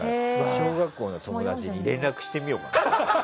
小学校の友達に連絡してみようかな。